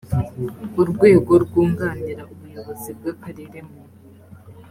urwego rwunganira ubuyobozi bw akarere mu